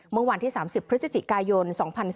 เมื่อวันที่๓๐พฤศจิกายน๒๔